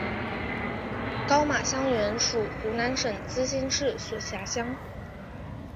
高码乡原属湖南省资兴市所辖乡。